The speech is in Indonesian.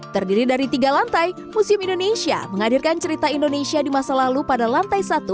terdiri dari tiga lantai museum indonesia menghadirkan cerita indonesia di masa lalu pada lantai satu